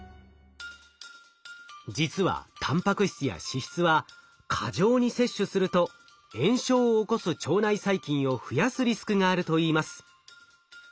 実はたんぱく質や脂質は過剰に摂取すると炎症を起こす腸内細菌を増やすリスクがあるといいます。